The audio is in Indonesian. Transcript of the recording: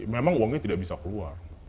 memang uangnya tidak bisa keluar